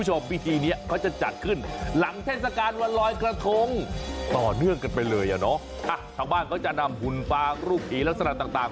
หลังเทศกาลวรรดิ์กระทงต่อเรื่องกันไปเลยชาวบ้านจะนำหุ่นฟางรูปผีลักษณะต่าง